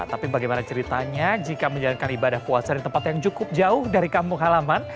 tapi bagaimana ceritanya jika menjalankan ibadah puasa di tempat yang cukup jauh dari kampung halaman